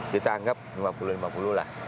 kita anggap lima puluh lima puluh lah